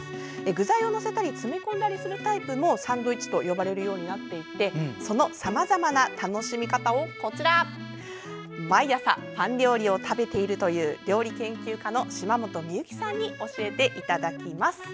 具材を載せたり詰めこんだりするタイプもサンドイッチと呼ばれるようになっていてそのさまざまな楽しみ方を毎朝パン料理を食べているという料理研究家の島本美由紀さんに教えていただきます。